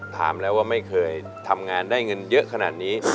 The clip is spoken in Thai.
ถามแล้วว่าไม่เคยทำงานได้เงินเยอะขนาดนี้